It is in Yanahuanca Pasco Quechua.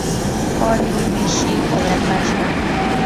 urqu mishii uqrakashqa.